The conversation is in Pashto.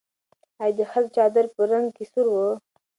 ایا د ښځې چادر په رنګ کې سور و؟